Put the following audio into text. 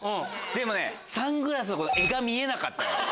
でもねサングラスの柄が見えなかったんですよ。